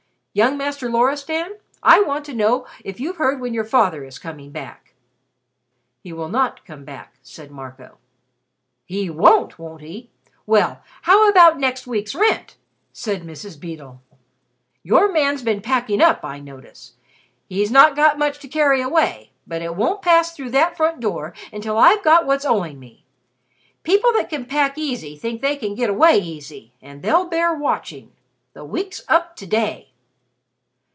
"Young Master Loristan, I want to know if you've heard when your father is coming back?" "He will not come back," said Marco. "He won't, won't he? Well, how about next week's rent?" said Mrs. Beedle. "Your man's been packing up, I notice. He's not got much to carry away, but it won't pass through that front door until I've got what's owing me. People that can pack easy think they can get away easy, and they'll bear watching. The week's up to day."